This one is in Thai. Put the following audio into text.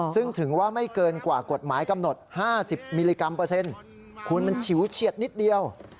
ซึ่งถือว่าไม่เกินกว่ากฎหมายกำหนด๕๐มิลลิกรัมเปอร์เซ็นต์คุณมันฉิวเฉียดนิดเดียว